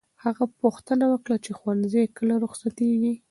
هغه پوښتنه وکړه چې ښوونځی کله رخصتېږي.